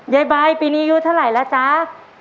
ยายใบปีนี้ยืนเท่าไหร่จ๊า